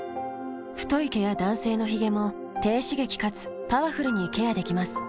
太い毛や男性のヒゲも低刺激かつパワフルにケアできます。